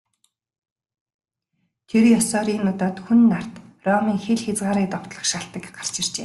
Тэр ёсоор энэ удаад Хүн нарт Ромын хил хязгаарыг довтлох шалтаг гарч иржээ.